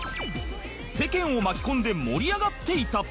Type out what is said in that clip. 世間を巻き込んで盛り上がっていた